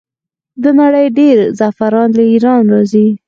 د نړۍ ډیری زعفران له ایران راځي.